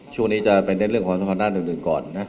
ช่วงนี้จะไปเน้นเรื่องของสมภัณฑ์หนึ่งก่อนนะ